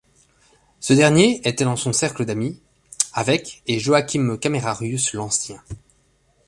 Ce dernier était dans son cercle d'amis, avec et Joachim Camerarius l'Ancien.